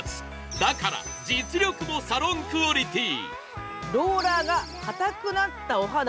だから実力もサロンクオリティー。